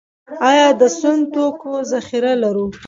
آیا د سون توکو ذخیرې لرو؟